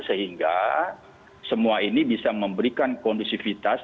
sehingga semua ini bisa memberikan kondusivitas